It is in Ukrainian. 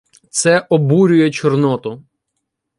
Це обурює Чорноту.